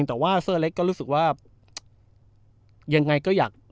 แต่เซอร์เล็กเราก็อยาก